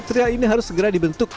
material ini harus segera dibentuk